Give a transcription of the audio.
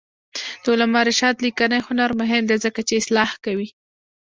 د علامه رشاد لیکنی هنر مهم دی ځکه چې اصلاح کوي.